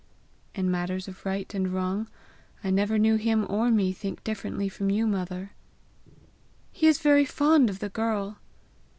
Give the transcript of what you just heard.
"In matters of right and wrong, I never knew him or me think differently from you, mother!" "He is very fond of the girl!"